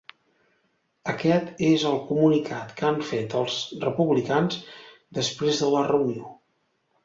Aquest és el comunicat que han fet els republicans després de la reunió.